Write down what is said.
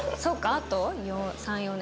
あと３４年。